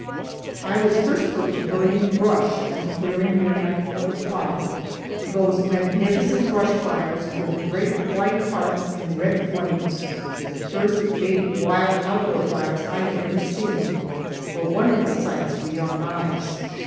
I was first put to burning brush in clearing land for the plough. Those magnificent brush fires with great white hearts and red flames, the first big, wild outdoor fires I had ever seen, were wonderful sights for young eyes.